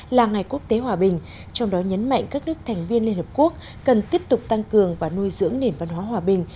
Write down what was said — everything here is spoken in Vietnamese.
là ngày quốc tế hòa bình trong đó nhấn mạnh các nước thành viên liên hợp quốc cần tiếp tục tăng cường và nuôi dưỡng nền văn hóa hòa bình